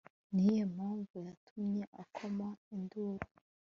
ni iyihe mpamvu yatumye akoma induru